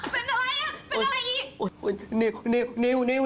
เป็นอะไรอ่ะเป็นอะไรอีก